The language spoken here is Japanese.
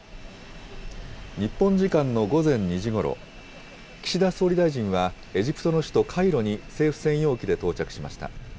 日本時間の午前２時ごろ、岸田総理大臣はエジプトの首都カイロに政府専用機で到着しました。